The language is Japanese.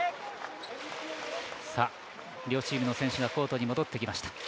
両チームの選手がコートに戻ってきました。